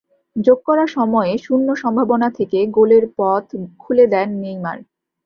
যোগ করা সময়ে শূন্য সম্ভাবনা থেকে গোলের পথ খুলে দেন নেইমার।